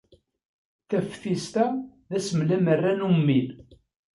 Taftist-a d asmel amerran ummil.